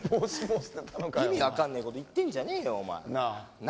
意味分かんねえこと言ってんじゃねえよお前。